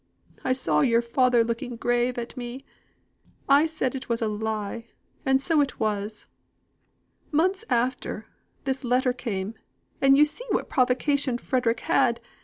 I saw your father looking grave at me. I said it was a lie, and so it was. Months after, this letter came, and you see what provocation Frederick had.